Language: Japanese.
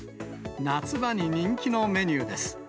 夏場に人気のメニューです。